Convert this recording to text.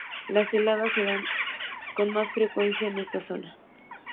Las heladas se dan con más frecuencia en esta zona.